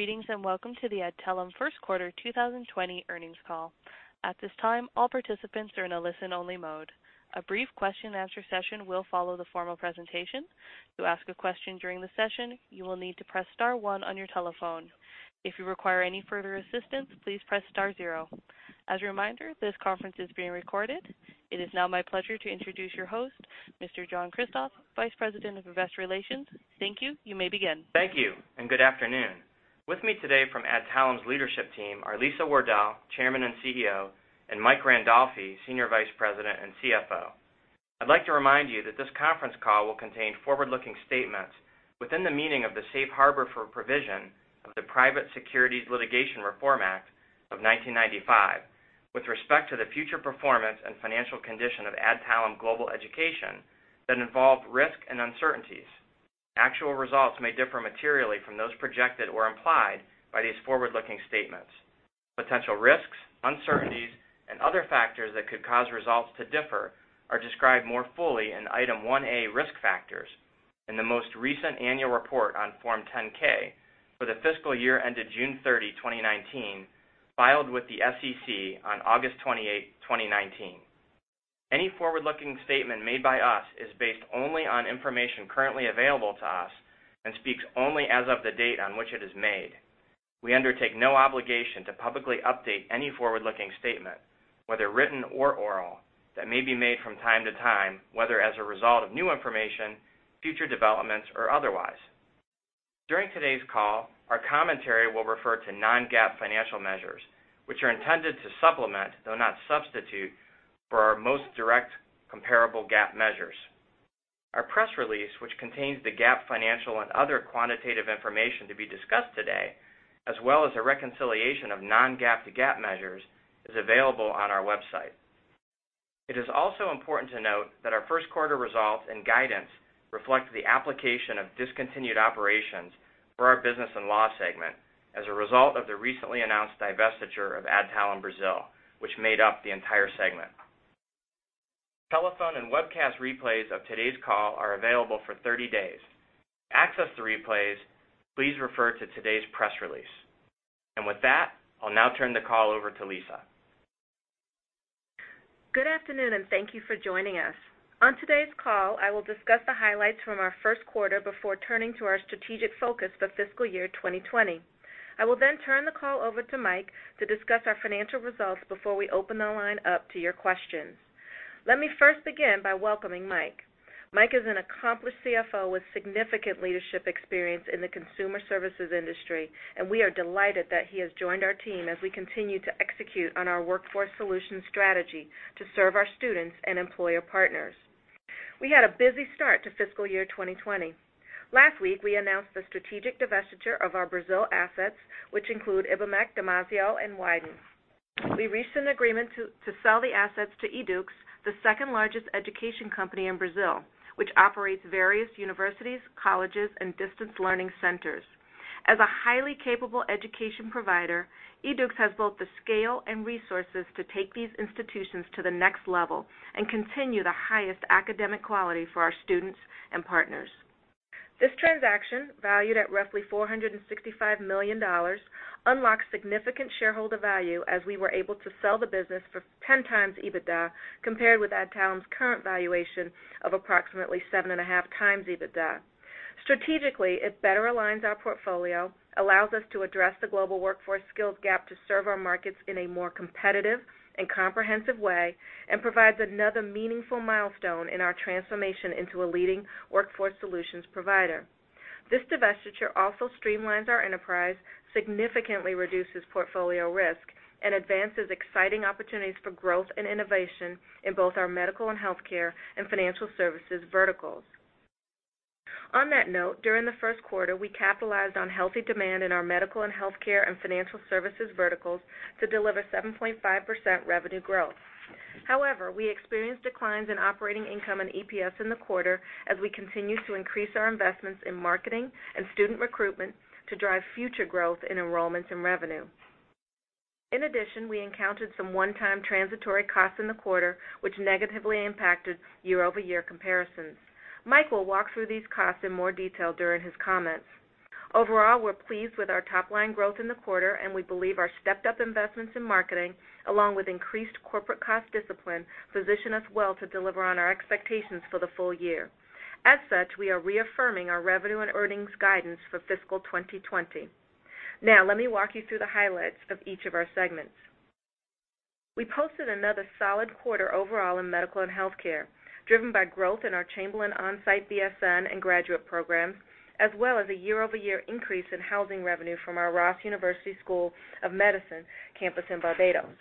Greetings and welcome to the Adtalem first quarter 2020 earnings call. At this time, all participants are in a listen-only mode. A brief question and answer session will follow the formal presentation. To ask a question during the session, you will need to press star one on your telephone. If you require any further assistance, please press star zero. As a reminder, this conference is being recorded. It is now my pleasure to introduce your host, Mr. John Kristoff, Vice President of Investor Relations. Thank you. You may begin. Thank you, and good afternoon. With me today from Adtalem's leadership team are Lisa Wardell, Chairman and CEO, and Mike Randolfi, Senior Vice President and CFO. I'd like to remind you that this conference call will contain forward-looking statements within the meaning of the Safe Harbor for Provision of the Private Securities Litigation Reform Act of 1995, with respect to the future performance and financial condition of Adtalem Global Education that involve risks and uncertainties. Actual results may differ materially from those projected or implied by these forward-looking statements. Potential risks, uncertainties, and other factors that could cause results to differ are described more fully in Item 1A, Risk Factors, in the most recent annual report on Form 10-K for the fiscal year ended June 30, 2019, filed with the SEC on August 28, 2019. Any forward-looking statement made by us is based only on information currently available to us and speaks only as of the date on which it is made. We undertake no obligation to publicly update any forward-looking statement, whether written or oral, that may be made from time to time, whether as a result of new information, future developments, or otherwise. During today's call, our commentary will refer to non-GAAP financial measures, which are intended to supplement, though not substitute, for our most direct comparable GAAP measures. Our press release, which contains the GAAP financial and other quantitative information to be discussed today, as well as a reconciliation of non-GAAP to GAAP measures, is available on our website. It is also important to note that our first quarter results and guidance reflect the application of discontinued operations for our business and law segment as a result of the recently announced divestiture of Adtalem Brasil, which made up the entire segment. Telephone and webcast replays of today's call are available for 30 days. To access the replays, please refer to today's press release. With that, I'll now turn the call over to Lisa. Good afternoon, and thank you for joining us. On today's call, I will discuss the highlights from our first quarter before turning to our strategic focus for fiscal year 2020. I will then turn the call over to Mike to discuss our financial results before we open the line up to your questions. Let me first begin by welcoming Mike. Mike is an accomplished CFO with significant leadership experience in the consumer services industry, and we are delighted that he has joined our team as we continue to execute on our workforce solutions strategy to serve our students and employer partners. We had a busy start to fiscal year 2020. Last week, we announced the strategic divestiture of our Brazil assets, which include Ibmec, Damásio, and Wyden. We reached an agreement to sell the assets to Yduqs, the second-largest education company in Brazil, which operates various universities, colleges, and distance learning centers. As a highly capable education provider, Yduqs has both the scale and resources to take these institutions to the next level and continue the highest academic quality for our students and partners. This transaction, valued at roughly $465 million, unlocks significant shareholder value as we were able to sell the business for 10 times EBITDA, compared with Adtalem's current valuation of approximately 7.5 times EBITDA. Strategically, it better aligns our portfolio, allows us to address the global workforce skills gap to serve our markets in a more competitive and comprehensive way, and provides another meaningful milestone in our transformation into a leading workforce solutions provider. This divestiture also streamlines our enterprise, significantly reduces portfolio risk, and advances exciting opportunities for growth and innovation in both our medical and healthcare and financial services verticals. On that note, during the first quarter, we capitalized on healthy demand in our medical and healthcare and financial services verticals to deliver 7.5% revenue growth. However, we experienced declines in operating income and EPS in the quarter as we continued to increase our investments in marketing and student recruitment to drive future growth in enrollments and revenue. In addition, we encountered some one-time transitory costs in the quarter, which negatively impacted year-over-year comparisons. Mike will walk through these costs in more detail during his comments. Overall, we're pleased with our top-line growth in the quarter, and we believe our stepped-up investments in marketing, along with increased corporate cost discipline, position us well to deliver on our expectations for the full year. As such, we are reaffirming our revenue and earnings guidance for fiscal 2020. Now, let me walk you through the highlights of each of our segments. We posted another solid quarter overall in medical and healthcare, driven by growth in our Chamberlain on-site BSN and graduate programs, as well as a year-over-year increase in housing revenue from our Ross University School of Medicine campus in Barbados.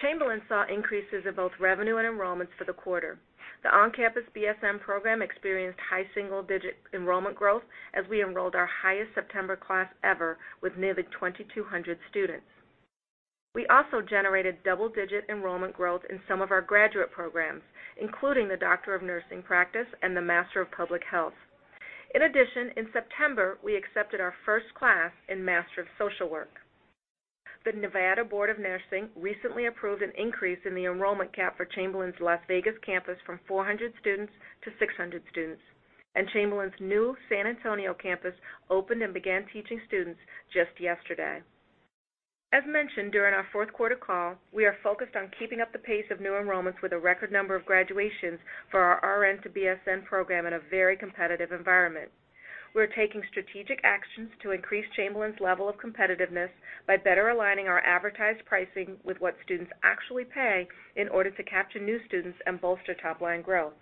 Chamberlain saw increases in both revenue and enrollments for the quarter. The on-campus BSN program experienced high single-digit enrollment growth as we enrolled our highest September class ever with nearly 2,200 students. We also generated double-digit enrollment growth in some of our graduate programs, including the Doctor of Nursing Practice and the Master of Public Health. In addition, in September, we accepted our first class in Master of Social Work. The Nevada Board of Nursing recently approved an increase in the enrollment cap for Chamberlain's Las Vegas campus from 400 students to 600 students. Chamberlain's new San Antonio campus opened and began teaching students just yesterday. As mentioned during our fourth quarter call, we are focused on keeping up the pace of new enrollments with a record number of graduations for our RN to BSN program in a very competitive environment. We're taking strategic actions to increase Chamberlain's level of competitiveness by better aligning our advertised pricing with what students actually pay in order to capture new students and bolster top-line growth.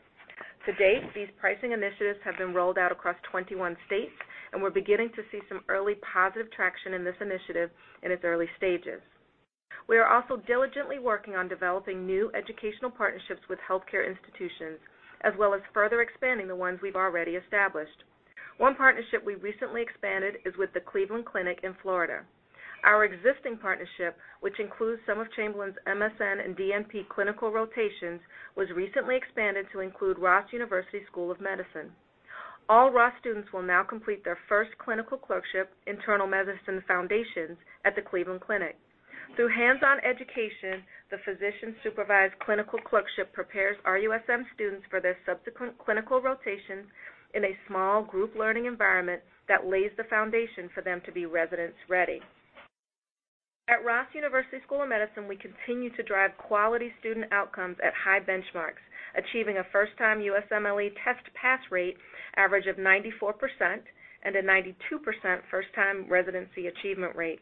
To date, these pricing initiatives have been rolled out across 21 states, and we're beginning to see some early positive traction in this initiative in its early stages. We are also diligently working on developing new educational partnerships with healthcare institutions, as well as further expanding the ones we've already established. One partnership we recently expanded is with the Cleveland Clinic in Florida. Our existing partnership, which includes some of Chamberlain's MSN and DNP clinical rotations, was recently expanded to include Ross University School of Medicine. All Ross students will now complete their first clinical clerkship, internal medicine foundations, at the Cleveland Clinic. Through hands-on education, the physician-supervised clinical clerkship prepares RUSM students for their subsequent clinical rotations in a small group learning environment that lays the foundation for them to be residence-ready. At Ross University School of Medicine, we continue to drive quality student outcomes at high benchmarks, achieving a first-time USMLE test pass rate average of 94% and a 92% first-time residency achievement rate.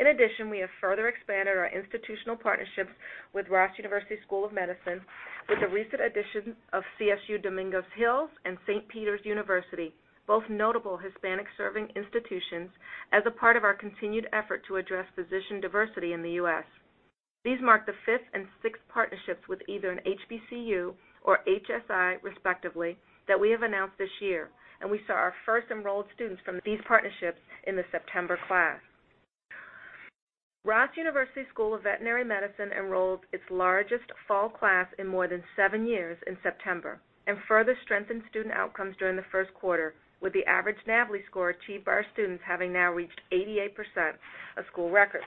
In addition, we have further expanded our institutional partnerships with Ross University School of Medicine with the recent addition of CSU Dominguez Hills and Saint Peter's University, both notable Hispanic-serving institutions, as a part of our continued effort to address physician diversity in the U.S. These mark the fifth and six partnerships with either an HBCU or HSI respectively, that we have announced this year, and we saw our first enrolled students from these partnerships in the September class. Ross University School of Veterinary Medicine enrolled its largest fall class in more than seven years in September and further strengthened student outcomes during the first quarter, with the average NAVLE score achieved by our students having now reached 88%, a school record.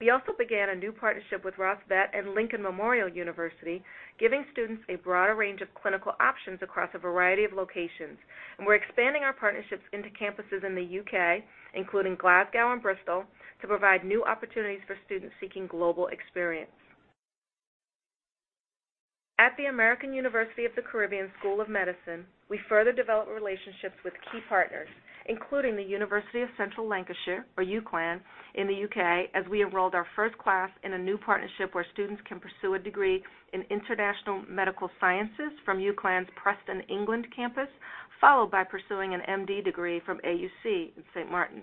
We also began a new partnership with Ross Vet and Lincoln Memorial University, giving students a broader range of clinical options across a variety of locations. We're expanding our partnerships into campuses in the U.K., including Glasgow and Bristol, to provide new opportunities for students seeking global experience. At the American University of the Caribbean School of Medicine, we further developed relationships with key partners, including the University of Central Lancashire, or UCLan, in the U.K., as we enrolled our first class in a new partnership where students can pursue a degree in international medical sciences from UCLan's Preston, England campus, followed by pursuing an MD degree from AUC in St. Maarten.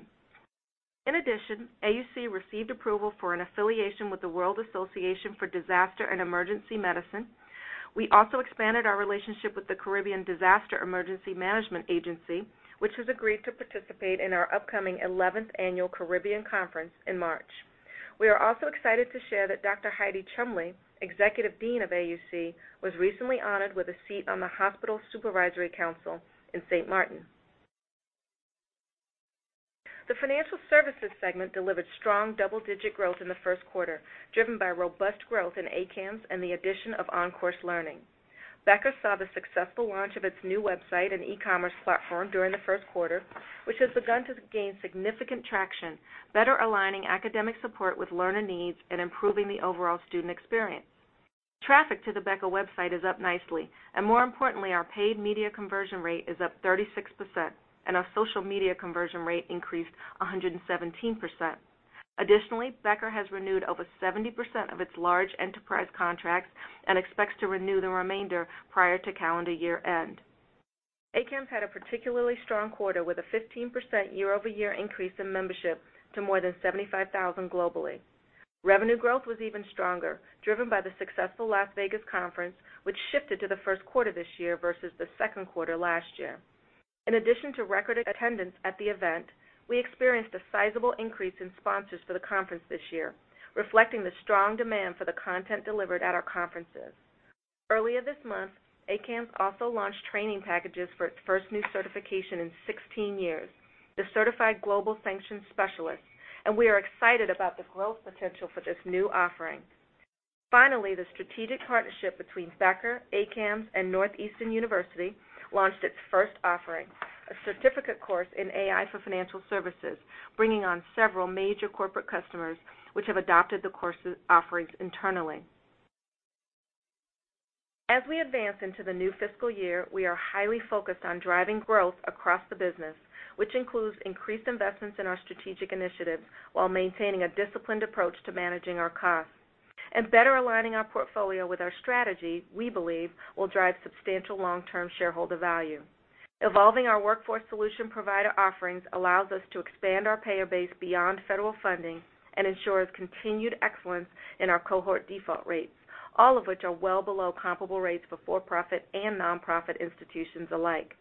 In addition, AUC received approval for an affiliation with the World Association for Disaster and Emergency Medicine. We also expanded our relationship with the Caribbean Disaster Emergency Management Agency, which has agreed to participate in our upcoming 11th annual Caribbean Conference in March. We are also excited to share that Dr. Heidi Chumley, Executive Dean of AUC, was recently honored with a seat on the Hospital Supervisory Council in St. Maarten. The financial services segment delivered strong double-digit growth in the first quarter, driven by robust growth in ACAMS and the addition of OnCourse Learning. Becker saw the successful launch of its new website and e-commerce platform during the first quarter, which has begun to gain significant traction, better aligning academic support with learner needs and improving the overall student experience. Traffic to the Becker website is up nicely, and more importantly, our paid media conversion rate is up 36%, and our social media conversion rate increased 117%. Additionally, Becker has renewed over 70% of its large enterprise contracts and expects to renew the remainder prior to calendar year-end. ACAMS had a particularly strong quarter with a 15% year-over-year increase in membership to more than 75,000 globally. Revenue growth was even stronger, driven by the successful Las Vegas conference, which shifted to the first quarter this year versus the second quarter last year. In addition to record attendance at the event, we experienced a sizable increase in sponsors for the conference this year, reflecting the strong demand for the content delivered at our conferences. Earlier this month, ACAMS also launched training packages for its first new certification in 16 years, the Certified Global Sanctions Specialist, and we are excited about the growth potential for this new offering. Finally, the strategic partnership between Becker, ACAMS, and Northeastern University launched its first offering, a certificate course in AI for Financial Services, bringing on several major corporate customers, which have adopted the course offerings internally. As we advance into the new fiscal year, we are highly focused on driving growth across the business, which includes increased investments in our strategic initiatives while maintaining a disciplined approach to managing our costs. Better aligning our portfolio with our strategy, we believe, will drive substantial long-term shareholder value. Evolving our workforce solution provider offerings allows us to expand our payer base beyond federal funding and ensures continued excellence in our cohort default rates, all of which are well below comparable rates for for-profit and nonprofit institutions alike.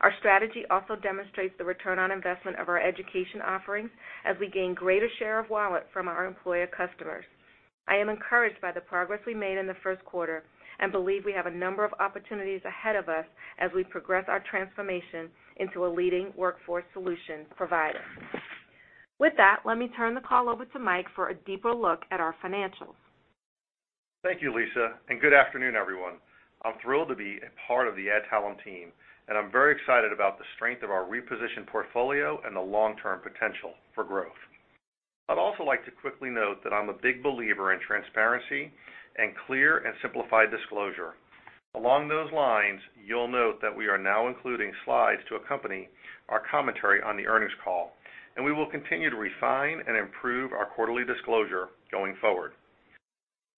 Our strategy also demonstrates the return on investment of our education offerings as we gain greater share of wallet from our employer customers. I am encouraged by the progress we made in the first quarter and believe we have a number of opportunities ahead of us as we progress our transformation into a leading workforce solutions provider. With that, let me turn the call over to Mike for a deeper look at our financials. Thank you, Lisa. Good afternoon, everyone. I'm thrilled to be a part of the Adtalem team, and I'm very excited about the strength of our repositioned portfolio and the long-term potential for growth. I'd also like to quickly note that I'm a big believer in transparency and clear and simplified disclosure. Along those lines, you'll note that we are now including slides to accompany our commentary on the earnings call, and we will continue to refine and improve our quarterly disclosure going forward.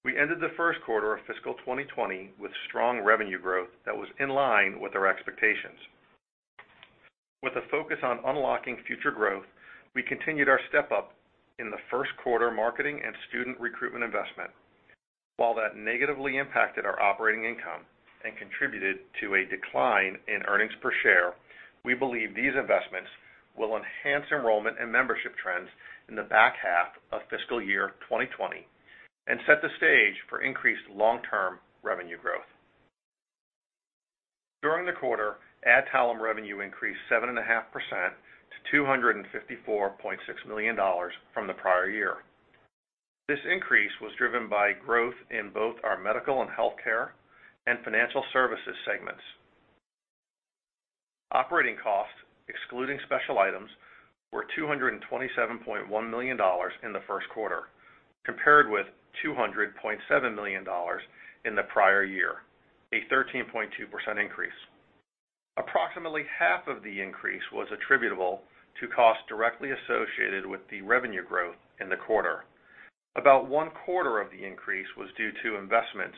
We ended the first quarter of fiscal 2020 with strong revenue growth that was in line with our expectations. With a focus on unlocking future growth, we continued our step-up in the first quarter marketing and student recruitment investment. While that negatively impacted our operating income and contributed to a decline in earnings per share, we believe these investments will enhance enrollment and membership trends in the back half of fiscal year 2020 and set the stage for increased long-term revenue growth. During the quarter, Adtalem revenue increased 7.5% to $254.6 million from the prior year. This increase was driven by growth in both our medical and healthcare and financial services segments. Operating costs, excluding special items, were $227.1 million in the first quarter, compared with $200.7 million in the prior year, a 13.2% increase. Approximately half of the increase was attributable to costs directly associated with the revenue growth in the quarter. About one-quarter of the increase was due to investments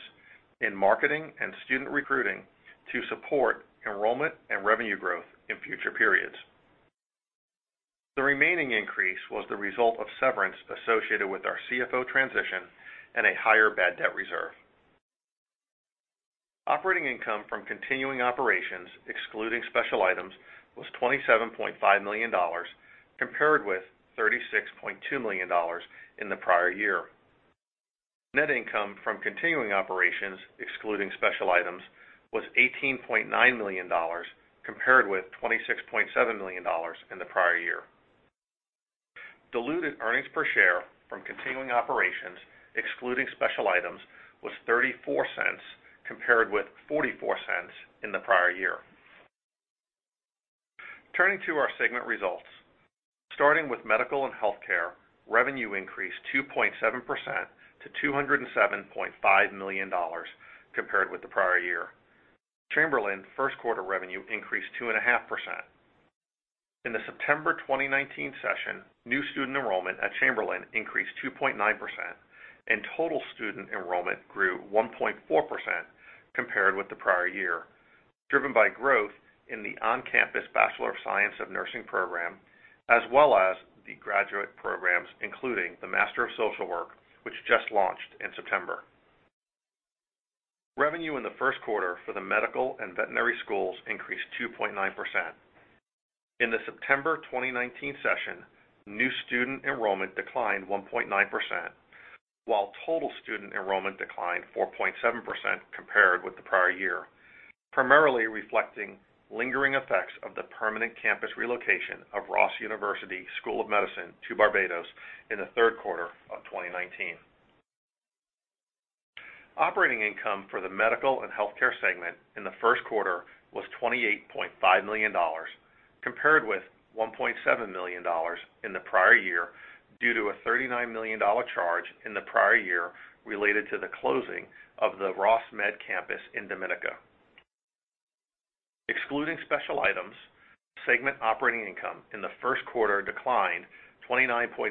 in marketing and student recruiting to support enrollment and revenue growth in future periods. The remaining increase was the result of severance associated with our CFO transition and a higher bad debt reserve. Operating income from continuing operations, excluding special items, was $27.5 million, compared with $36.2 million in the prior year. Net income from continuing operations, excluding special items, was $18.9 million, compared with $26.7 million in the prior year. Diluted earnings per share from continuing operations, excluding special items, was $0.34, compared with $0.44 in the prior year. Turning to our segment results. Starting with Medical and Healthcare, revenue increased 2.7% to $207.5 million compared with the prior year. Chamberlain first-quarter revenue increased 2.5%. In the September 2019 session, new student enrollment at Chamberlain increased 2.9%, and total student enrollment grew 1.4% compared with the prior year, driven by growth in the on-campus Bachelor of Science in Nursing program, as well as the graduate programs, including the Master of Social Work, which just launched in September. Revenue in the first quarter for the medical and veterinary schools increased 2.9%. In the September 2019 session, new student enrollment declined 1.9%, while total student enrollment declined 4.7% compared with the prior year, primarily reflecting lingering effects of the permanent campus relocation of Ross University School of Medicine to Barbados in the third quarter of 2019. Operating income for the medical and healthcare segment in the first quarter was $28.5 million, compared with $1.7 million in the prior year, due to a $39 million charge in the prior year related to the closing of the Ross Med campus in Dominica. Excluding special items, segment operating income in the first quarter declined 29.6%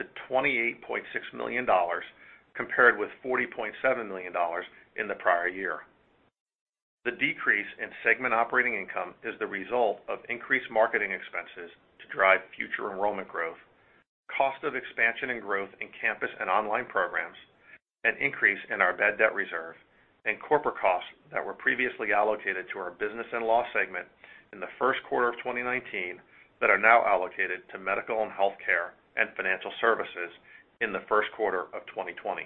to $28.6 million, compared with $40.7 million in the prior year. The decrease in segment operating income is the result of increased marketing expenses to drive future enrollment growth, cost of expansion and growth in campus and online programs, an increase in our bad debt reserve, and corporate costs that were previously allocated to our business and law segment in the first quarter of 2019 that are now allocated to medical and healthcare and financial services in the first quarter of 2020.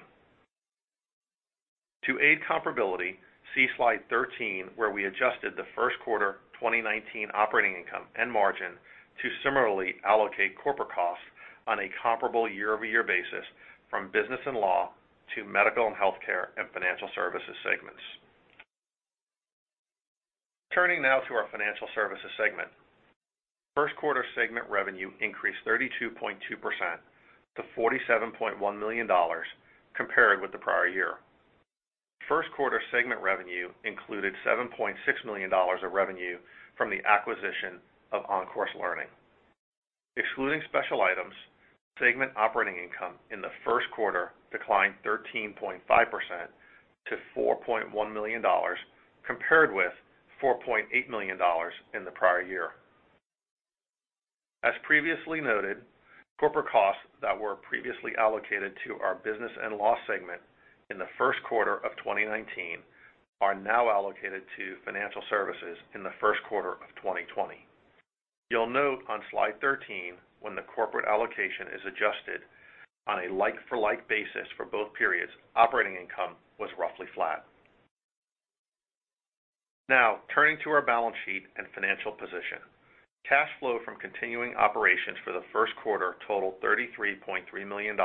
To aid comparability, see slide 13, where we adjusted the first quarter 2019 operating income and margin to similarly allocate corporate costs on a comparable year-over-year basis from Business and Law to Medical and Healthcare and Financial Services segments. Turning now to our Financial Services segment. First quarter segment revenue increased 32.2% to $47.1 million compared with the prior year. First quarter segment revenue included $7.6 million of revenue from the acquisition of OnCourse Learning. Excluding special items, segment operating income in the first quarter declined 13.5% to $4.1 million, compared with $4.8 million in the prior year. As previously noted, corporate costs that were previously allocated to our business and law segment in the first quarter of 2019 are now allocated to financial services in the first quarter of 2020. You'll note on slide 13 when the corporate allocation is adjusted on a like-for-like basis for both periods, operating income was roughly flat. Turning to our balance sheet and financial position. Cash flow from continuing operations for the first quarter totaled $33.3 million,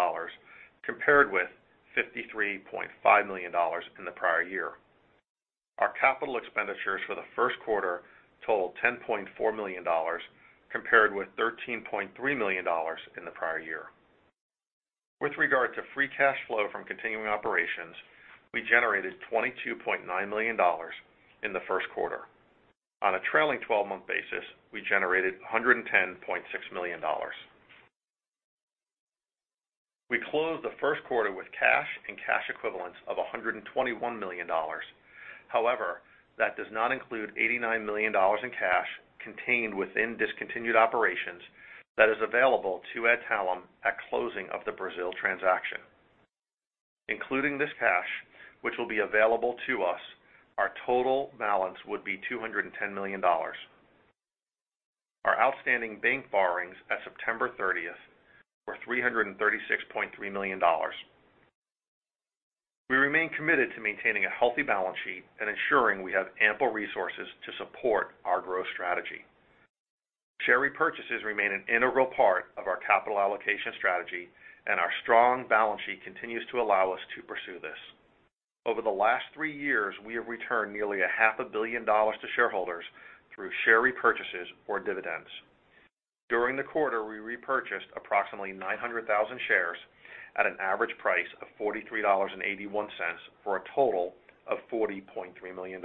compared with $53.5 million in the prior year. Our capital expenditures for the first quarter totaled $10.4 million, compared with $13.3 million in the prior year. With regard to free cash flow from continuing operations, we generated $22.9 million in the first quarter. On a trailing 12-month basis, we generated $110.6 million. We closed the first quarter with cash and cash equivalents of $121 million. That does not include $89 million in cash contained within discontinued operations that is available to Adtalem at closing of the Brazil transaction. Including this cash, which will be available to us, our total balance would be $210 million. Our outstanding bank borrowings at September 30th were $336.3 million. We remain committed to maintaining a healthy balance sheet and ensuring we have ample resources to support our growth strategy. Share repurchases remain an integral part of our capital allocation strategy, and our strong balance sheet continues to allow us to pursue this. Over the last three years, we have returned nearly a half a billion dollars to shareholders through share repurchases or dividends. During the quarter, we repurchased approximately 900,000 shares at an average price of $43.81, for a total of $40.3 million.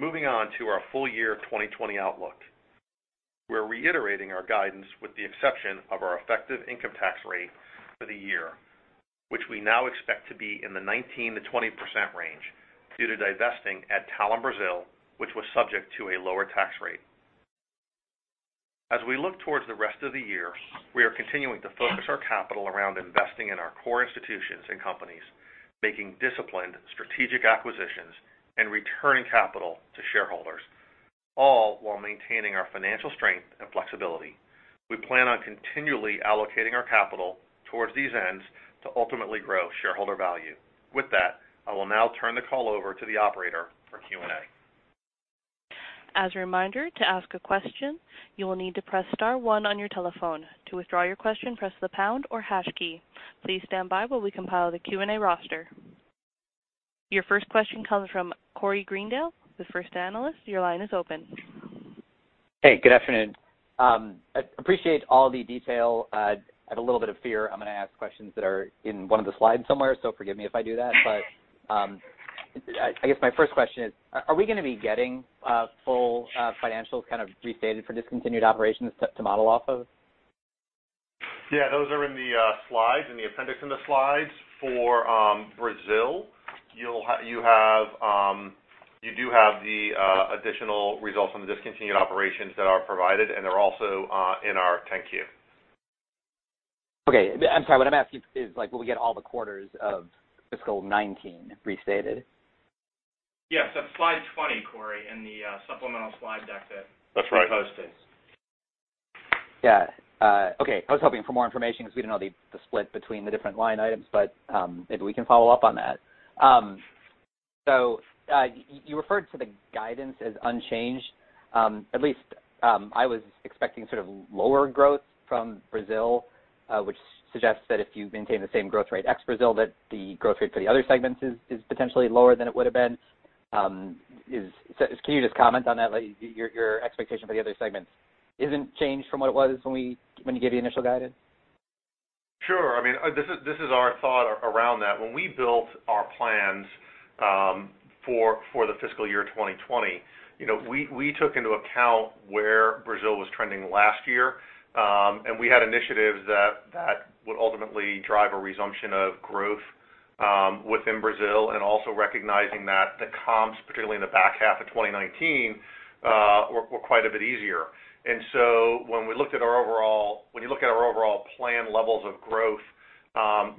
Moving on to our full year 2020 outlook. We're reiterating our guidance with the exception of our effective income tax rate for the year, which we now expect to be in the 19%-20% range due to divesting Adtalem Brazil, which was subject to a lower tax rate. As we look towards the rest of the year, we are continuing to focus our capital around investing in our core institutions and companies, making disciplined strategic acquisitions, and returning capital to shareholders, all while maintaining our financial strength and flexibility. We plan on continually allocating our capital towards these ends to ultimately grow shareholder value. With that, I will now turn the call over to the operator for Q&A. As a reminder, to ask a question, you will need to press *1 on your telephone. To withdraw your question, press the # key. Please stand by while we compile the Q&A roster. Your first question comes from Corey Greendale of First Analysis. Your line is open. Hey, good afternoon. I appreciate all the detail. I have a little bit of fear I'm going to ask questions that are in one of the slides somewhere, so forgive me if I do that. I guess my first question is: Are we going to be getting full financials kind of restated for discontinued operations to model off of? Yeah, those are in the slides, in the appendix in the slides for Brazil. You do have the additional results from the discontinued operations that are provided, and they're also in our 10-Q. Okay. I'm sorry. What I'm asking is: Will we get all the quarters of fiscal 2019 restated? Yes. That's slide 20, Corey, in the supplemental slide deck. That's right. we posted. Yeah. Okay. I was hoping for more information because we didn't know the split between the different line items. Maybe we can follow up on that. You referred to the guidance as unchanged. At least I was expecting sort of lower growth from Brazil, which suggests that if you maintain the same growth rate ex-Brazil, that the growth rate for the other segments is potentially lower than it would have been. Can you just comment on that? Your expectation for the other segments isn't changed from what it was when you gave the initial guidance? Sure. I mean, this is our thought around that. When we built our plans for the fiscal year 2020, we took into account where Brazil was trending last year. We had initiatives that would ultimately drive a resumption of growth within Brazil, also recognizing that the comps, particularly in the back half of 2019, were quite a bit easier. When you look at our overall plan levels of growth,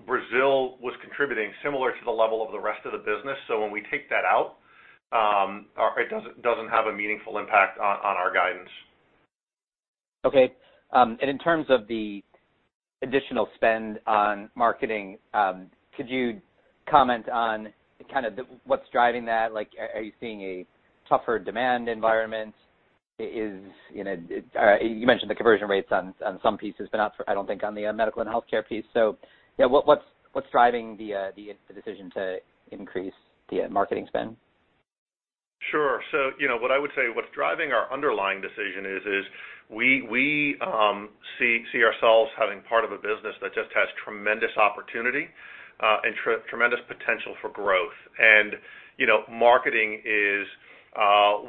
Brazil was contributing similar to the level of the rest of the business. When we take that out, it doesn't have a meaningful impact on our guidance. Okay. In terms of the additional spend on marketing, could you comment on kind of what's driving that? Are you seeing a tougher demand environment? You mentioned the conversion rates on some pieces, but not, I don't think, on the medical and healthcare piece. Yeah, what's driving the decision to increase the marketing spend? Sure. What I would say, what's driving our underlying decision is we see ourselves having part of a business that just has tremendous opportunity and tremendous potential for growth. Marketing is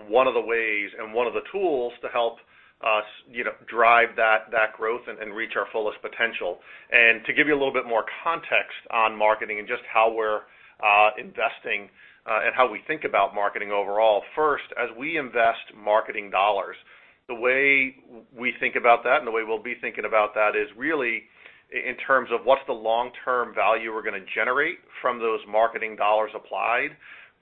one of the ways and one of the tools to help us drive that growth and reach our fullest potential. To give you a little bit more context on marketing and just how we're investing and how we think about marketing overall. First, as we invest marketing dollars, the way we think about that and the way we'll be thinking about that is really in terms of what's the long-term value we're going to generate from those marketing dollars applied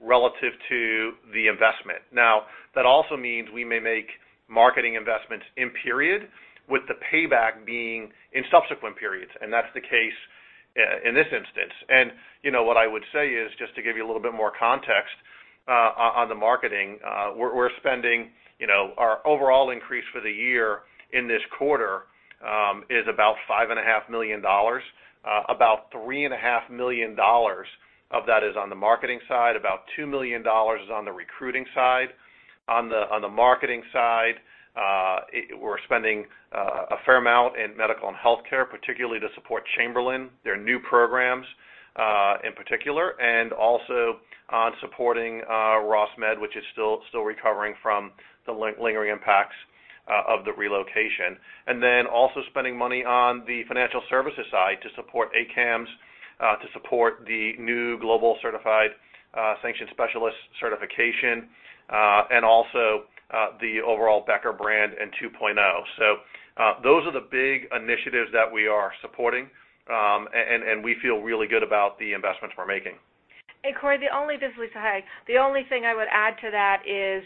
relative to the investment. Now, that also means we may make marketing investments in period with the payback being in subsequent periods, and that's the case in this instance. What I would say is, just to give you a little bit more context on the marketing, our overall increase for the year in this quarter is about $5.5 million. About $3.5 million of that is on the marketing side. About $2 million is on the recruiting side. On the marketing side, we're spending a fair amount in medical and healthcare, particularly to support Chamberlain, their new programs in particular, and also on supporting Ross Med, which is still recovering from the lingering impacts of the relocation. Also spending money on the financial services side to support ACAMS, to support the new Certified Global Sanctions Specialist certification, and also the overall Becker brand and 2.0. Those are the big initiatives that we are supporting. We feel really good about the investments we're making. Hey, Corey, this is Lisa. Hi. The only thing I would add to that is,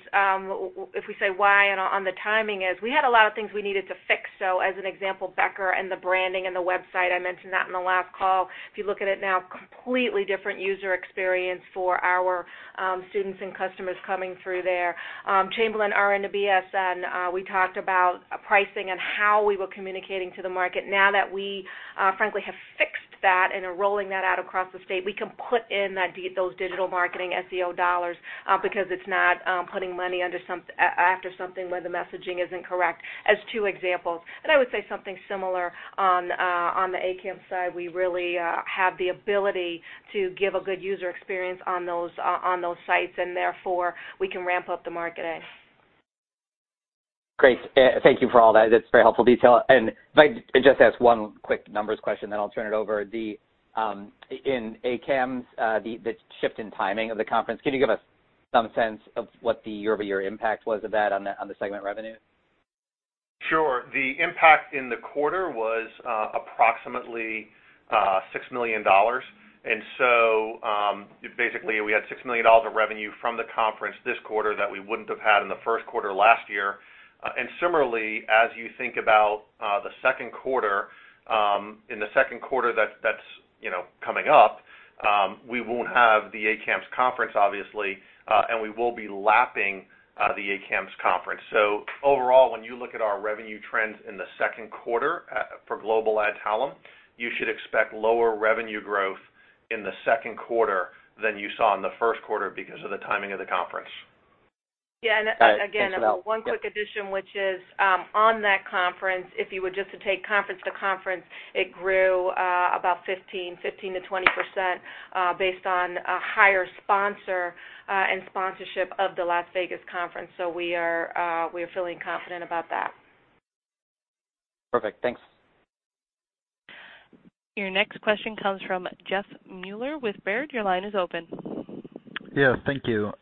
if we say why and on the timing is we had a lot of things we needed to fix. As an example, Becker and the branding and the website, I mentioned that in the last call. If you look at it now, completely different user experience for our students and customers coming through there. Chamberlain RN to BSN, we talked about pricing and how we were communicating to the market. Now that we frankly have fixed that and are rolling that out across the state, we can put in those digital marketing SEO dollars because it's not putting money after something where the messaging isn't correct, as two examples. I would say something similar on the ACAMS side. We really have the ability to give a good user experience on those sites, and therefore, we can ramp up the marketing. Great. Thank you for all that. That's very helpful detail. If I could just ask one quick numbers question, then I'll turn it over. In ACAMS, the shift in timing of the conference, can you give us some sense of what the year-over-year impact was of that on the segment revenue? Sure. The impact in the quarter was approximately $6 million. Basically, we had $6 million of revenue from the conference this quarter that we wouldn't have had in the first quarter last year. Similarly, as you think about the second quarter, in the second quarter that's coming up, we won't have the ACAMS conference, obviously. We will be lapping the ACAMS conference. Overall, when you look at our revenue trends in the second quarter for Global Adtalem, you should expect lower revenue growth in the second quarter than you saw in the first quarter because of the timing of the conference. Yeah. Thanks. One quick addition, which is on that conference, if you were just to take conference to conference, it grew about 15%-20% based on a higher sponsor and sponsorship of the Las Vegas conference. We are feeling confident about that. Perfect. Thanks. Your next question comes from Jeff Meuler with Baird. Your line is open. Thank you.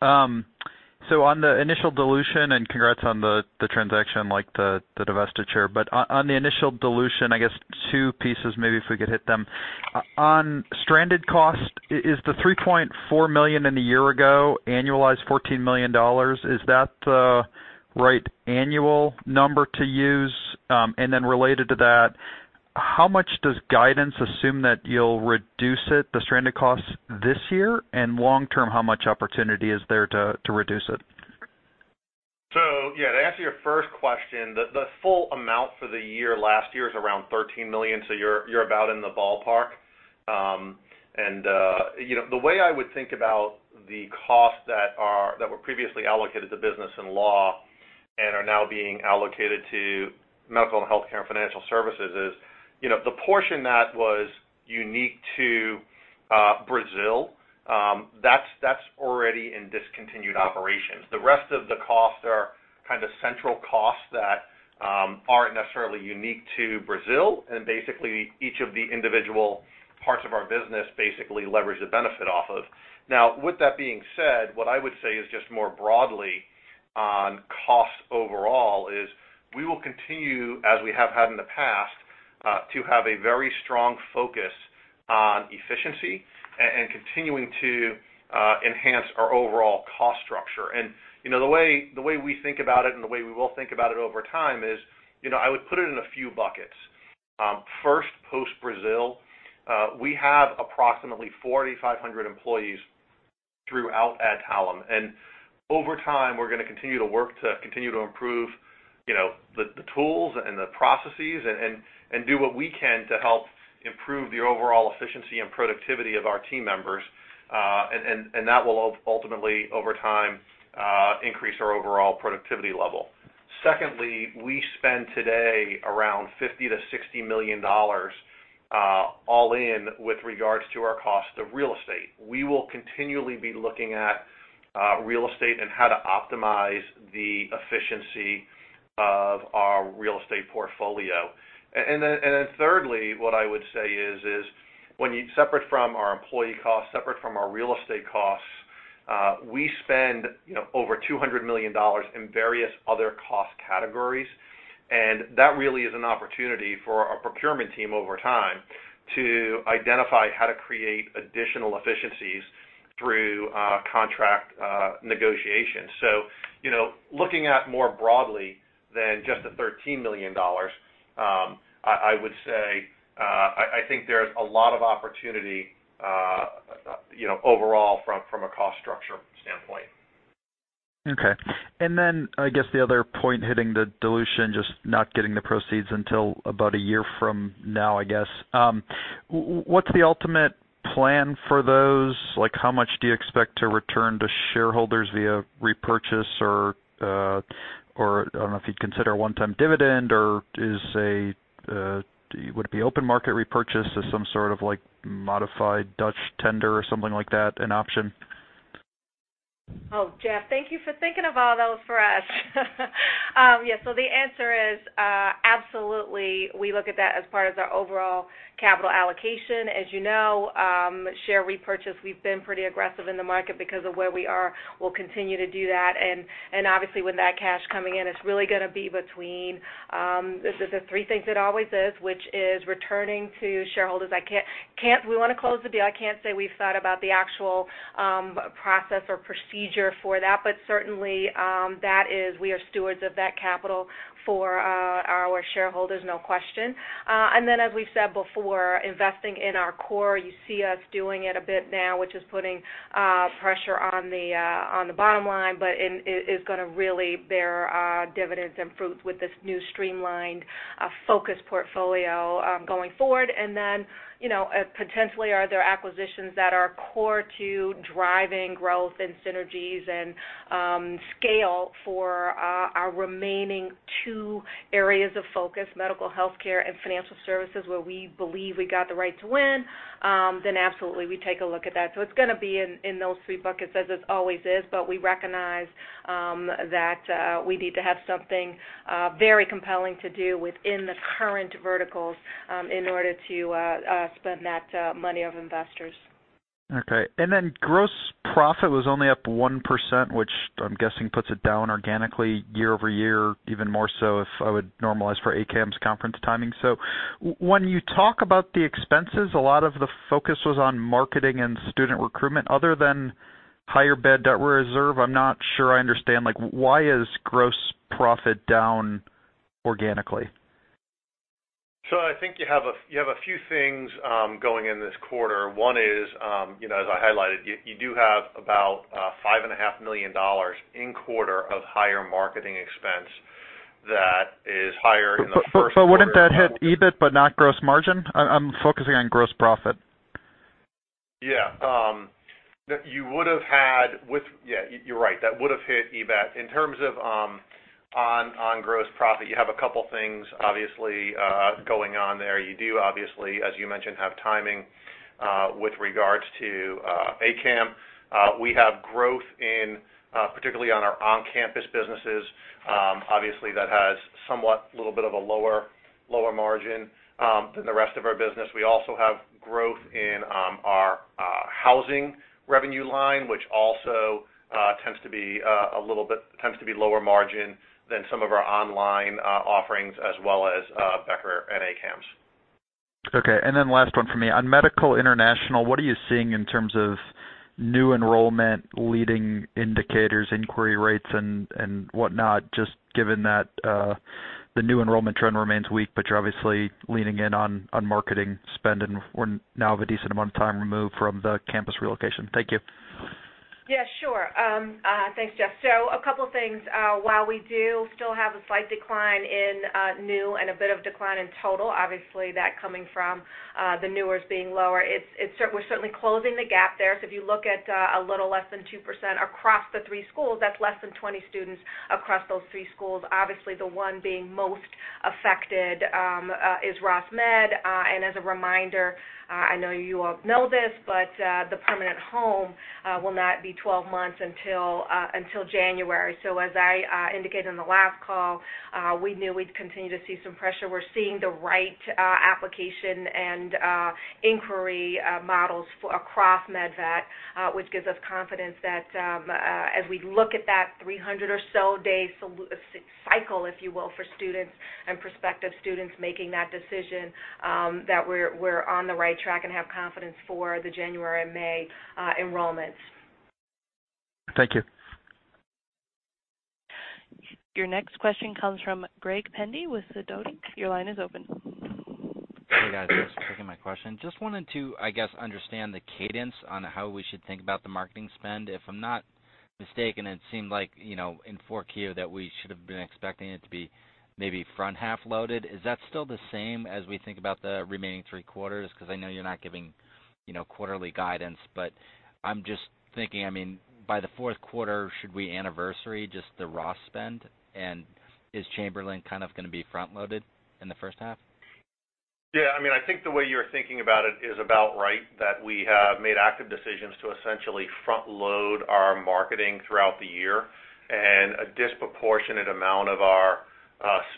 On the initial dilution, and congrats on the transaction, like the divestiture. On the initial dilution, I guess two pieces, maybe if we could hit them. On stranded cost, is the $3.4 million in a year ago annualized $14 million? Is that the right annual number to use? Related to that, how much does guidance assume that you'll reduce it, the stranded costs this year? Long term, how much opportunity is there to reduce it? Yeah, to answer your first question, the full amount for the year last year is around $13 million, so you're about in the ballpark. The way I would think about the costs that were previously allocated to business and law and are now being allocated to medical and healthcare and financial services is the portion that was unique to Brazil, that's already in discontinued operations. The rest of the costs are kind of central costs that aren't necessarily unique to Brazil, and basically, each of the individual parts of our business leverage the benefit off of. Now, with that being said, what I would say is just more broadly on cost overall is we will continue as we have had in the past, to have a very strong focus on efficiency and continuing to enhance our overall cost structure. The way we think about it and the way we will think about it over time is, I would put it in a few buckets. First, post-Brazil, we have approximately 4,500 employees throughout Adtalem. Over time, we're going to continue to work to continue to improve the tools and the processes and do what we can to help improve the overall efficiency and productivity of our team members. That will ultimately, over time, increase our overall productivity level. Secondly, we spend today around $50 million to $60 million all in with regards to our cost of real estate. We will continually be looking at real estate and how to optimize the efficiency of our real estate portfolio. Thirdly, what I would say is, separate from our employee costs, separate from our real estate costs. We spend over $200 million in various other cost categories, and that really is an opportunity for our procurement team over time to identify how to create additional efficiencies through contract negotiation. Looking at more broadly than just the $13 million, I would say, I think there's a lot of opportunity overall from a cost structure standpoint. Okay. I guess the other point hitting the dilution, just not getting the proceeds until about a year from now. What's the ultimate plan for those? How much do you expect to return to shareholders via repurchase or, I don't know if you'd consider a one-time dividend, or would it be open market repurchase as some sort of modified Dutch tender or something like that an option? Jeff, thank you for thinking of all those for us. The answer is, absolutely, we look at that as part of our overall capital allocation. As you know, share repurchase, we've been pretty aggressive in the market because of where we are. We'll continue to do that, and obviously with that cash coming in, it's really going to be between, this is the three things it always is, which is returning to shareholders. We want to close the deal. I can't say we've thought about the actual process or procedure for that, but certainly, we are stewards of that capital for our shareholders, no question. As we said before, investing in our core. You see us doing it a bit now, which is putting pressure on the bottom line, but it is going to really bear dividends and fruits with this new streamlined, focused portfolio going forward. Potentially are there acquisitions that are core to driving growth and synergies and scale for our remaining two areas of focus, medical healthcare and financial services, where we believe we got the right to win, then absolutely, we take a look at that. It's going to be in those three buckets as it always is, but we recognize that we need to have something very compelling to do within the current verticals in order to spend that money of investors. Okay. Gross profit was only up 1%, which I'm guessing puts it down organically year-over-year, even more so if I would normalize for ACAMS conference timing. When you talk about the expenses, a lot of the focus was on marketing and student recruitment other than higher bad debt reserve. I'm not sure I understand why is gross profit down organically? I think you have a few things going in this quarter. One is, as I highlighted, you do have about $5.5 million in quarter of higher marketing expense that is higher in the first quarter- Wouldn't that hit EBIT but not gross margin? I'm focusing on gross profit. Yeah. You're right, that would've hit EBIT. In terms of on gross profit, you have a couple things obviously, going on there. You do, obviously, as you mentioned, have timing with regards to ACAM. We have growth particularly on our on-campus businesses. Obviously that has somewhat a little bit of a lower margin than the rest of our business. We also have growth in our housing revenue line, which also tends to be lower margin than some of our online offerings, as well as Becker and ACAMS. Okay. Last one from me. On Medical International, what are you seeing in terms of new enrollment, leading indicators, inquiry rates and whatnot, just given that the new enrollment trend remains weak, but you're obviously leaning in on marketing spend and now have a decent amount of time removed from the campus relocation? Thank you. Yeah, sure. Thanks, Jeff. A couple of things. While we do still have a slight decline in new and a bit of decline in total, obviously that coming from the newer being lower, we're certainly closing the gap there. If you look at a little less than 2% across the three schools, that's less than 20 students across those three schools. Obviously, the one being most affected is Ross Med. As a reminder, I know you all know this, the permanent home will not be 12 months until January. As I indicated on the last call, we knew we'd continue to see some pressure. We're seeing the right application and inquiry models across MedVet, which gives us confidence that as we look at that 300 or so day cycle, if you will, for students and prospective students making that decision, that we're on the right track and have confidence for the January and May enrollments. Thank you. Your next question comes from Gregory Pendy with Sidoti. Your line is open. Hey, guys. Thanks for taking my question. Just wanted to, I guess, understand the cadence on how we should think about the marketing spend. If I'm not mistaken, it seemed like, in 4Q, that we should have been expecting it to be maybe front half loaded. Is that still the same as we think about the remaining three quarters? I know you're not giving quarterly guidance, but I'm just thinking, by the fourth quarter, should we anniversary just the Ross spend? Is Chamberlain going to be front-loaded in the first half? Yeah. I think the way you're thinking about it is about right, that we have made active decisions to essentially front-load our marketing throughout the year, and a disproportionate amount of our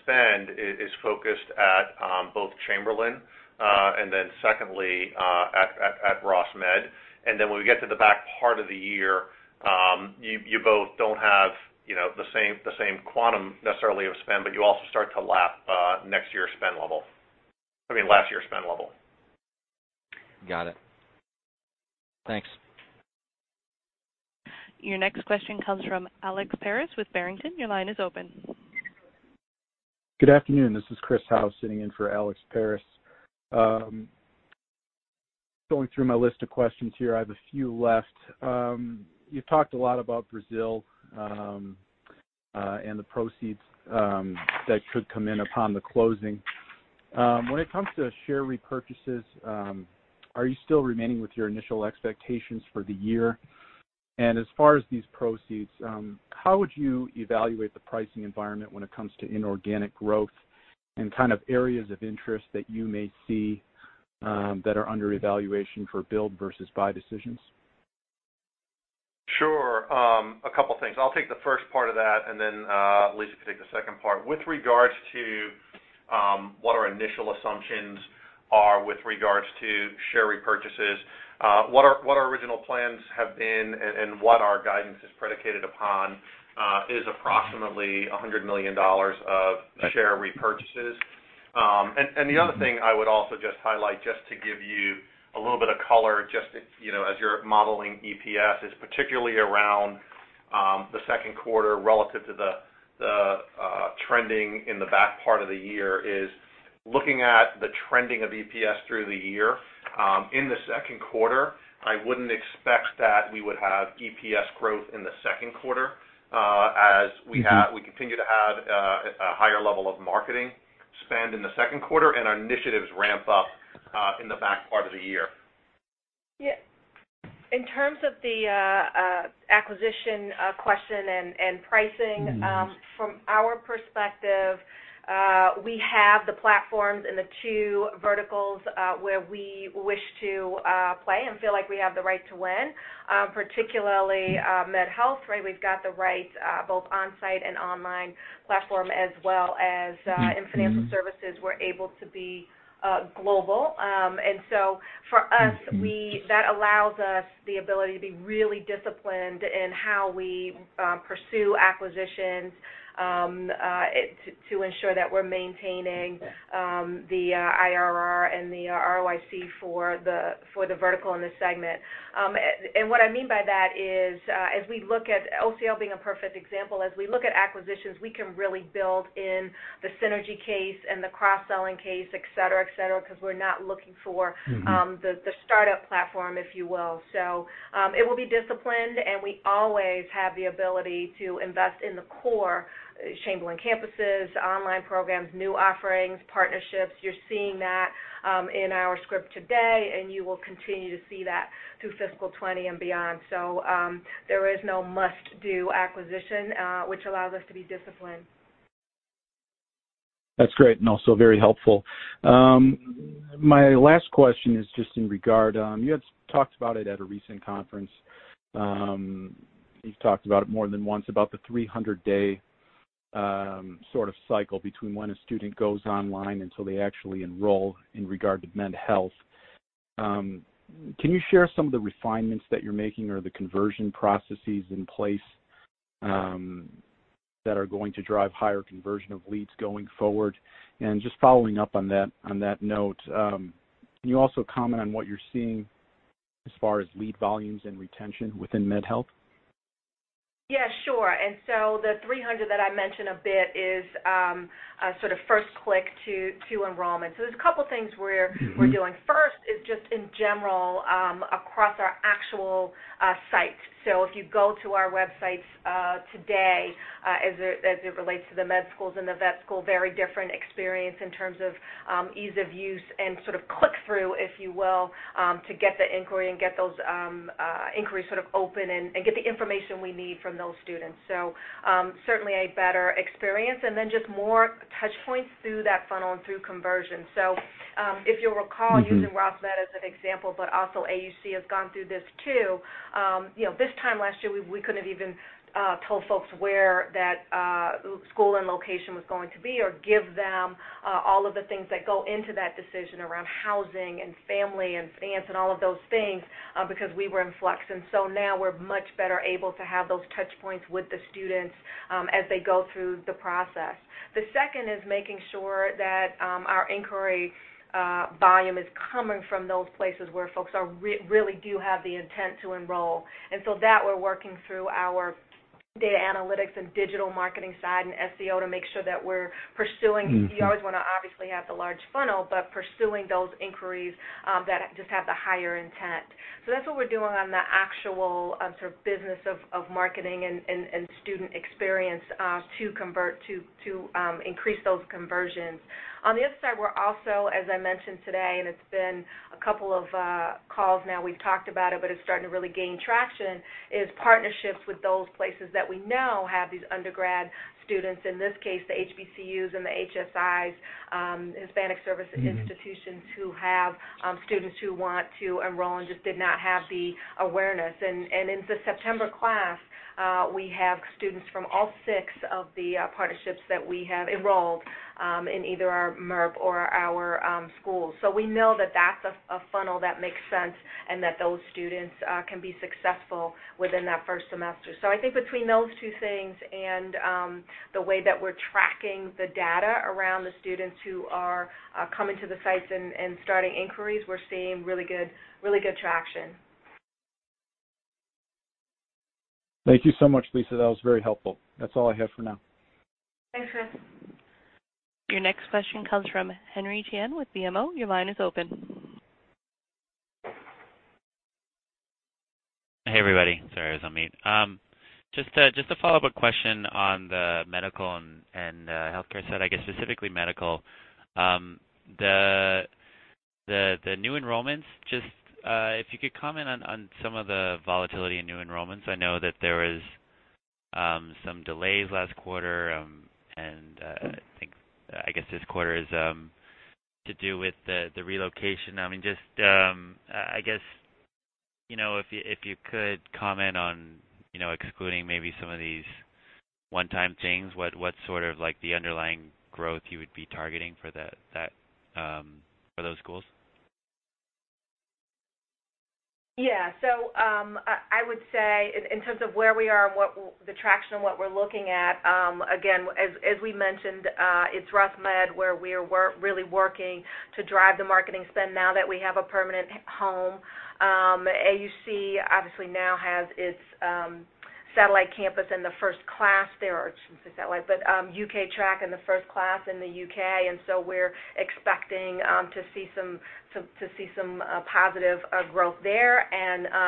spend is focused at both Chamberlain, and then secondly, at Ross Med. When we get to the back part of the year, you both don't have the same quantum necessarily of spend, but you also start to lap last year's spend level. Got it. Thanks. Your next question comes from Alex Paris with Barrington. Your line is open. Good afternoon. This is Christopher Howe sitting in for Alexander Paris. Going through my list of questions here, I have a few left. You've talked a lot about Brazil, and the proceeds that could come in upon the closing. When it comes to share repurchases, are you still remaining with your initial expectations for the year? As far as these proceeds, how would you evaluate the pricing environment when it comes to inorganic growth and kind of areas of interest that you may see that are under evaluation for build versus buy decisions? Sure. A couple things. I'll take the first part of that, and then Lisa can take the second part. With regards to what our initial assumptions are with regards to share repurchases, what our original plans have been and what our guidance is predicated upon, is approximately $100 million of share repurchases. The other thing I would also just highlight, just to give you a little bit of color, just as you're modeling EPS, is particularly around the second quarter relative to the trending in the back part of the year, is looking at the trending of EPS through the year. In the second quarter, I wouldn't expect that we would have EPS growth in the second quarter, as we continue to add a higher level of marketing spend in the second quarter and our initiatives ramp up in the back part of the year. Yeah. In terms of the acquisition question and pricing, from our perspective, we have the platforms in the two verticals, where we wish to play and feel like we have the right to win, particularly MedHealth. We've got the right both onsite and online platform, as well as in financial services, we're able to be global. For us, that allows us the ability to be really disciplined in how we pursue acquisitions, to ensure that we're maintaining the IRR and the ROIC for the vertical and the segment. What I mean by that is, as we look at OCL being a perfect example, as we look at acquisitions, we can really build in the synergy case and the cross-selling case, et cetera, because we're not looking for the startup platform, if you will. It will be disciplined, and we always have the ability to invest in the core Chamberlain campuses, online programs, new offerings, partnerships. You're seeing that in our script today, and you will continue to see that through fiscal 2020 and beyond. There is no must-do acquisition, which allows us to be disciplined. That's great. Also very helpful. My last question is just in regard, you had talked about it at a recent conference. You've talked about it more than once, about the 300-day sort of cycle between when a student goes online until they actually enroll in regard to MedHealth. Can you share some of the refinements that you're making or the conversion processes in place that are going to drive higher conversion of leads going forward? Just following up on that note, can you also comment on what you're seeing as far as lead volumes and retention within MedHealth? Yeah, sure. The 300 that I mentioned a bit is sort of first click to enrollment. There's a couple things we're doing. First is just in general, across our actual sites. If you go to our websites today, as it relates to the med schools and the vet school, very different experience in terms of ease of use and sort of click-through, if you will, to get the inquiry and get those inquiries sort of open and get the information we need from those students. Certainly a better experience. Just more touchpoints through that funnel and through conversion. If you'll recall using Ross Med as an example, but also AUC has gone through this too. This time last year, we couldn't even tell folks where that school and location was going to be or give them all of the things that go into that decision around housing and family and advance and all of those things, because we were in flux. Now we're much better able to have those touchpoints with the students as they go through the process. The second is making sure that our inquiry volume is coming from those places where folks really do have the intent to enroll. That we're working through our data analytics and digital marketing side and SEO to make sure that we're pursuing, you always want to obviously have the large funnel, but pursuing those inquiries that just have the higher intent. That's what we're doing on the actual sort of business of marketing and student experience to increase those conversions. On the other side, we're also, as I mentioned today, and it's been a couple of calls now we've talked about it, but it's starting to really gain traction, is partnerships with those places that we know have these undergrad students, in this case, the HBCUs and the HSIs, Hispanic serving institutions, who have students who want to enroll and just did not have the awareness. In the September class. We have students from all six of the partnerships that we have enrolled in either our MERP or our schools. We know that that's a funnel that makes sense and that those students can be successful within that first semester. I think between those two things and the way that we're tracking the data around the students who are coming to the sites and starting inquiries, we're seeing really good traction. Thank you so much, Lisa. That was very helpful. That's all I have for now. Thanks, Chris. Your next question comes from Henry Tian with BMO. Your line is open. Hey, everybody. Sorry, I was on mute. Just a follow-up question on the medical and healthcare side, I guess specifically medical. The new enrollments, if you could comment on some of the volatility in new enrollments. I know that there was some delays last quarter, and I guess this quarter is to do with the relocation. If you could comment on excluding maybe some of these one-time things, what sort of the underlying growth you would be targeting for those schools? Yeah. I would say in terms of where we are and the traction and what we're looking at, again, as we mentioned, it's Ross Med where we're really working to drive the marketing spend now that we have a permanent home. AUC obviously now has its satellite campus in the first class. I shouldn't say satellite, but U.K. track in the first class in the U.K., we're expecting to see some positive growth there.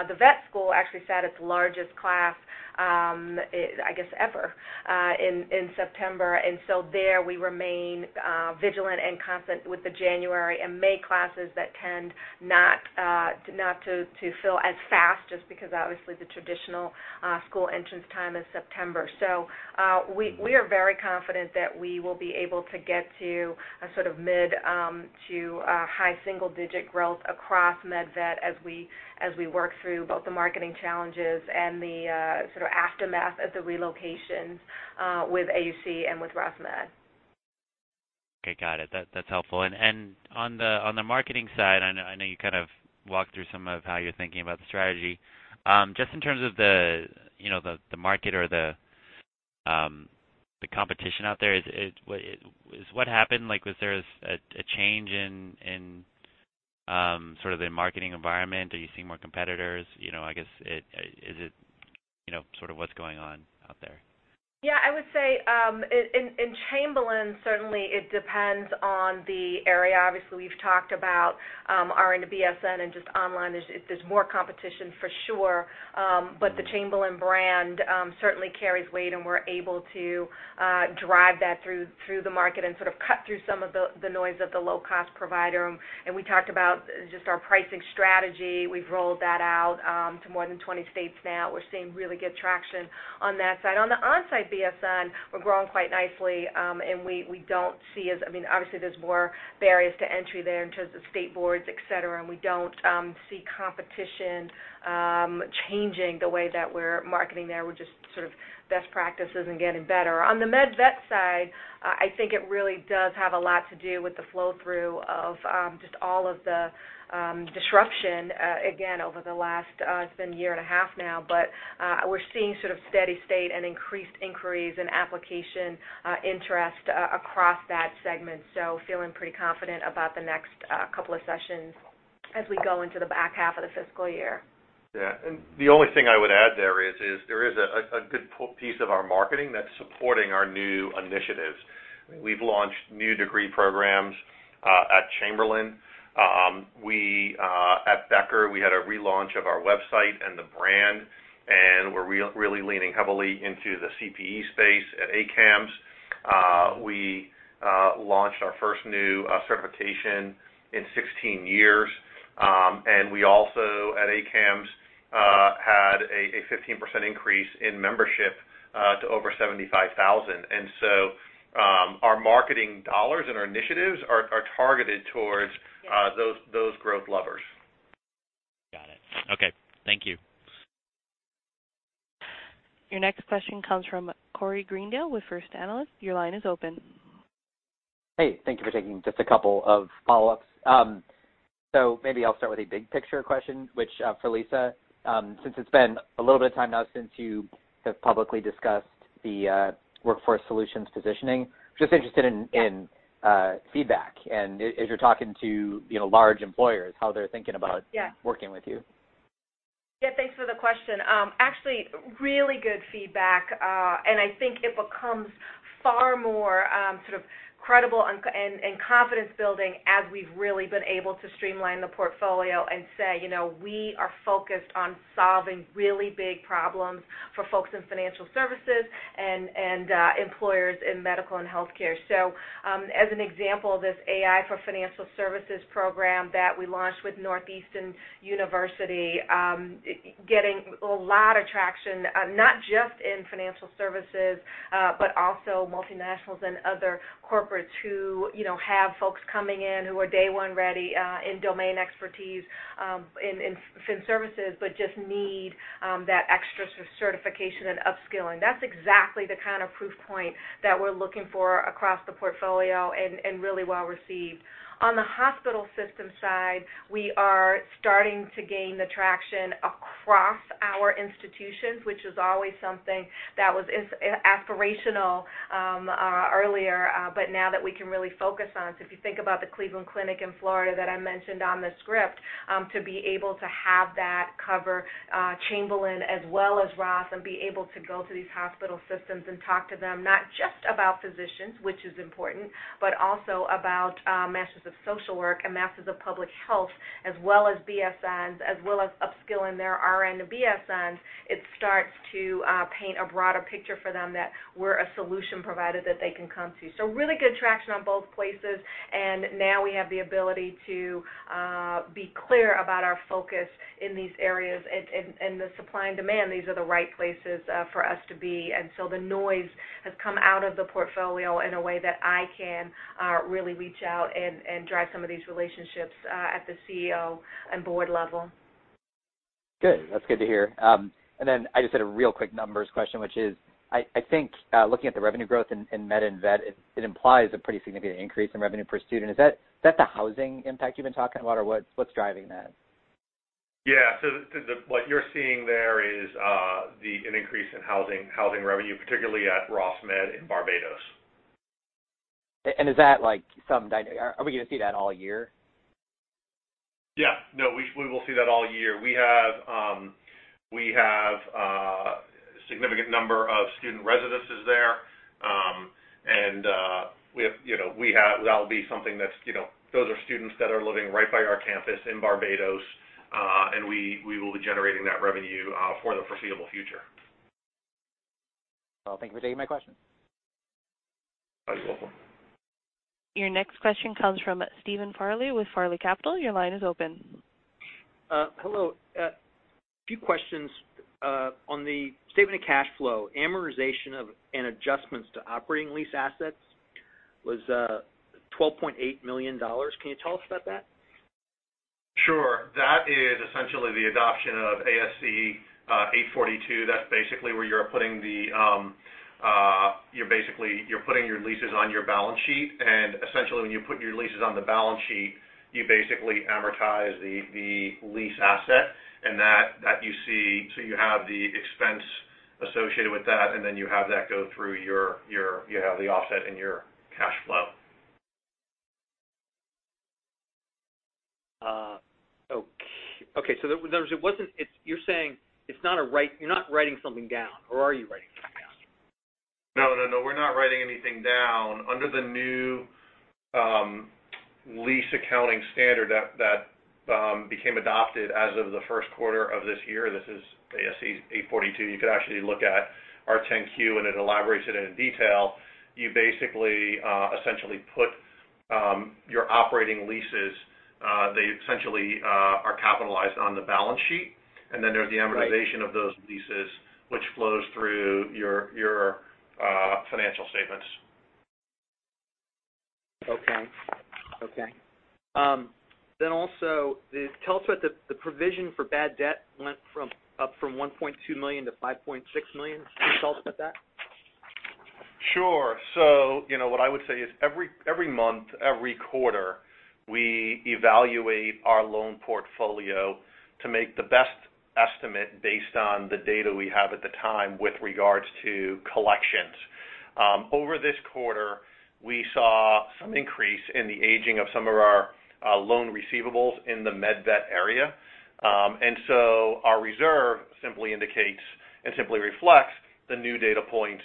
The vet school actually set its largest class, I guess, ever in September. There we remain vigilant and constant with the January and May classes that tend not to fill as fast, just because obviously the traditional school entrance time is September. We are very confident that we will be able to get to a sort of mid to high single-digit growth across MedVet as we work through both the marketing challenges and the sort of aftermath of the relocations with AUC and with Ross Med. Okay, got it. That's helpful. On the marketing side, I know you kind of walked through some of how you're thinking about the strategy. Just in terms of the market or the competition out there, what happened? Was there a change in sort of the marketing environment? Are you seeing more competitors? Sort of what's going on out there? Yeah, I would say in Chamberlain, certainly it depends on the area. We've talked about RN to BSN and just online, there's more competition for sure. The Chamberlain brand certainly carries weight, and we're able to drive that through the market and sort of cut through some of the noise of the low-cost provider. We talked about just our pricing strategy. We've rolled that out to more than 20 states now. We're seeing really good traction on that side. On the on-site BSN, we're growing quite nicely, and we don't see there are more barriers to entry there in terms of state boards, et cetera, and we don't see competition changing the way that we're marketing there. We're just sort of best practices and getting better. On the MedVet side, I think it really does have a lot to do with the flow-through of just all of the disruption, again, over the last, it's been a year and a half now. We're seeing sort of steady state and increased inquiries and application interest across that segment. Feeling pretty confident about the next couple of sessions as we go into the back half of the fiscal year. Yeah. The only thing I would add there is, there is a good piece of our marketing that's supporting our new initiatives. We've launched new degree programs at Chamberlain. At Becker, we had a relaunch of our website and the brand, and we're really leaning heavily into the CPE space at ACAMS. We launched our first new certification in 16 years, and we also, at ACAMS, had a 15% increase in membership to over 75,000. Our marketing dollars and our initiatives are targeted towards those growth levers. Got it. Okay. Thank you. Your next question comes from Corey Greendale with First Analysis. Your line is open. Hey, thank you for taking just a couple of follow-ups. Maybe I'll start with a big picture question, which for Lisa. Since it's been a little bit of time now since you have publicly discussed the workforce solutions positioning, just interested in feedback and as you're talking to large employers, how they're thinking about working with you. Thanks for the question. Actually, really good feedback. I think it becomes far more credible and confidence-building as we've really been able to streamline the portfolio and say, "We are focused on solving really big problems for folks in financial services and employers in medical and healthcare." As an example, this AI for Financial Services program that we launched with Northeastern University, getting a lot of traction, not just in financial services, but also multinationals and other corporates who have folks coming in who are day-one ready in domain expertise in fin services, but just need that extra certification and upskilling. That's exactly the kind of proof point that we're looking for across the portfolio, and really well-received. On the hospital system side, we are starting to gain the traction across our institutions, which is always something that was aspirational earlier, but now that we can really focus on. If you think about the Cleveland Clinic in Florida that I mentioned on the script, to be able to have that cover Chamberlain as well as Ross, and be able to go to these hospital systems and talk to them, not just about physicians, which is important, but also about Master of Social Work and Master of Public Health as well as BSNs, as well as upskilling their RN to BSNs, it starts to paint a broader picture for them that we're a solution provider that they can come to. Really good traction on both places, and now we have the ability to be clear about our focus in these areas and the supply and demand. These are the right places for us to be. The noise has come out of the portfolio in a way that I can really reach out and drive some of these relationships at the CEO and board level. Good. That's good to hear. I just had a real quick numbers question, which is, I think, looking at the revenue growth in med and vet, it implies a pretty significant increase in revenue per student. Is that the housing impact you've been talking about? What's driving that? Yeah. What you're seeing there is an increase in housing revenue, particularly at Ross Med in Barbados. Are we going to see that all year? Yeah. No, we will see that all year. We have a significant number of student residences there. Those are students that are living right by our campus in Barbados, and we will be generating that revenue for the foreseeable future. Well, thank you for taking my question. You're welcome. Your next question comes from Stephen Farley with Farley Capital. Your line is open. Hello. A few questions. On the statement of cash flow, amortization of, and adjustments to operating lease assets was $12.8 million. Can you tell us about that? Sure. That is essentially the adoption of ASC 842. That's basically where you're putting your leases on your balance sheet. Essentially, when you put your leases on the balance sheet, you basically amortize the lease asset, and that you see. You have the expense associated with that, and then you have the offset in your cash flow. Okay. You're saying you're not writing something down, or are you writing something down? No, we're not writing anything down. Under the new lease accounting standard that became adopted as of the first quarter of this year, this is ASC 842. You could actually look at our 10-Q, and it elaborates it in detail. You basically essentially put your operating leases. They essentially are capitalized on the balance sheet. Then there's the amortization. Right of those leases which flows through your financial statements. Okay. Also, tell us about the provision for bad debt went up from $1.2 million to $5.6 million. Can you tell us about that? Sure. What I would say is every month, every quarter, we evaluate our loan portfolio to make the best estimate based on the data we have at the time with regards to collections. Over this quarter, we saw some increase in the aging of some of our loan receivables in the med vet area. Our reserve simply indicates and simply reflects the new data points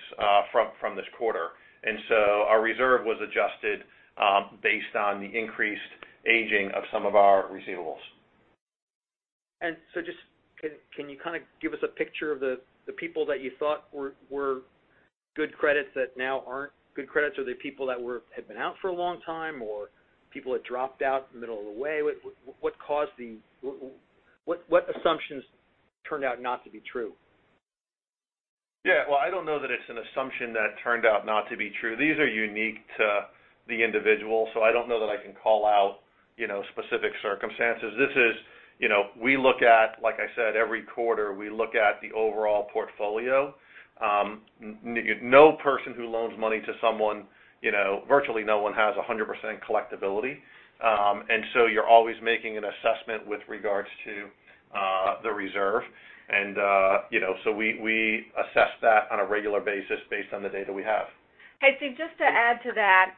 from this quarter. Our reserve was adjusted based on the increased aging of some of our receivables. Just, can you give us a picture of the people that you thought were good credits that now aren't good credits? Are they people that had been out for a long time, or people that dropped out in the middle of the way? What assumptions turned out not to be true? Yeah. Well, I don't know that it's an assumption that turned out not to be true. These are unique to the individual, so I don't know that I can call out specific circumstances. Like I said, every quarter, we look at the overall portfolio. No person who loans money to someone, virtually no one has 100% collectability. So you're always making an assessment with regards to the reserve. So we assess that on a regular basis based on the data we have. Hey, Steve, just to add to that.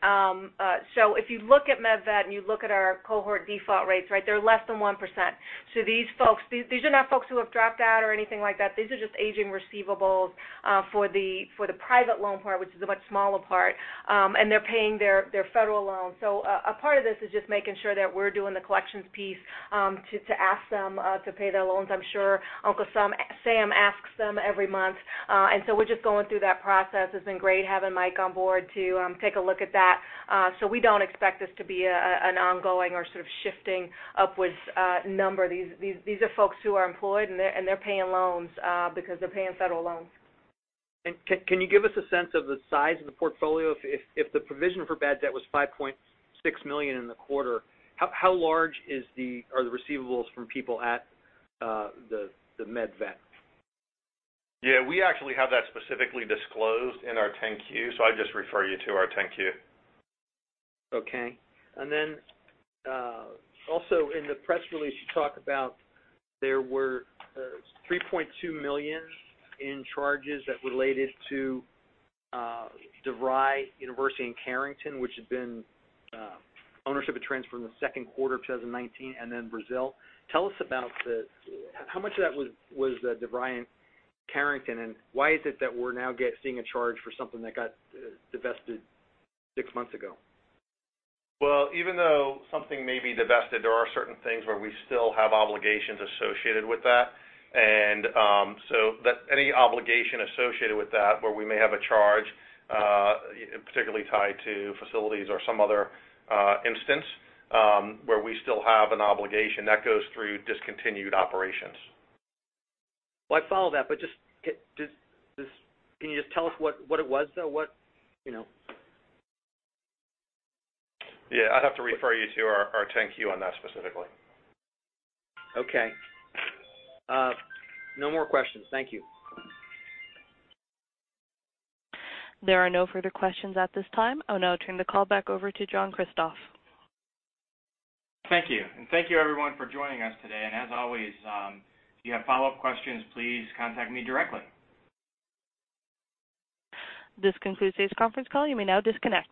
If you look at MedVet and you look at our cohort default rates, they're less than 1%. These are not folks who have dropped out or anything like that. These are just aging receivables for the private loan part, which is a much smaller part. They're paying their federal loans. A part of this is just making sure that we're doing the collections piece to ask them to pay their loans. I'm sure Uncle Sam asks them every month. We're just going through that process. It's been great having Mike on board to take a look at that. We don't expect this to be an ongoing or sort of shifting upwards number. These are folks who are employed, and they're paying loans because they're paying federal loans. Can you give us a sense of the size of the portfolio? If the provision for bad debt was $5.6 million in the quarter, how large are the receivables from people at the MedVet? Yeah, we actually have that specifically disclosed in our 10-Q, so I'd just refer you to our 10-Q. Okay. Also in the press release, you talk about there were $3.2 million in charges that related to DeVry University in Carrington, which had been ownership of transfer in the second quarter of 2019, and then Brazil. How much of that was DeVry in Carrington, and why is it that we're now seeing a charge for something that got divested six months ago? Well, even though something may be divested, there are certain things where we still have obligations associated with that. Any obligation associated with that, where we may have a charge, particularly tied to facilities or some other instance, where we still have an obligation, that goes through discontinued operations. Well, I follow that, can you just tell us what it was, though? What Yeah, I'd have to refer you to our 10-Q on that specifically. Okay. No more questions. Thank you. There are no further questions at this time. I'll now turn the call back over to John Kristoff. Thank you. Thank you, everyone, for joining us today. As always, if you have follow-up questions, please contact me directly. This concludes today's conference call. You may now disconnect.